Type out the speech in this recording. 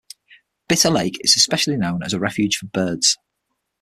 Bitter Lake is especially known as a refuge for birds.